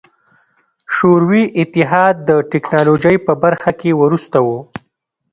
شوروي اتحاد د ټکنالوژۍ په برخه کې وروسته و.